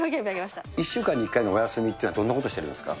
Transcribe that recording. １週間に１回のお休みっていうのはどんなことしてるんですか。